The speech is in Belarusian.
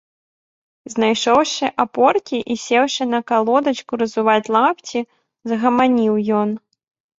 Знайшоўшы апоркі і сеўшы на калодачку разуваць лапці, загаманіў ён.